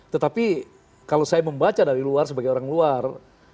tetapi kalau saya membaca dari luar sebagai orang luar